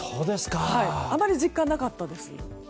あまり実感なかったですか？